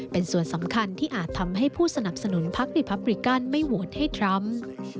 เป็นส่วนสำคัญที่อาจทำให้ผู้สนับสนุนพักดีพับริกันไม่โหวตให้ทรัมป์